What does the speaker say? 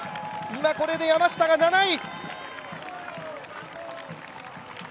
これで今、山下が７位。